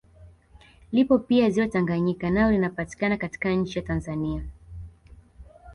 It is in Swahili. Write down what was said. Lipo pia ziwa Tanganyika nalo linapatikana katika nchi ya Tanzania